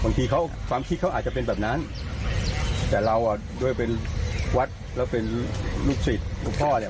บางทีเขาความคิดเขาอาจจะเป็นแบบนั้นแต่เราอ่ะด้วยเป็นวัดแล้วเป็นลูกศิษย์ลูกพ่อเนี่ย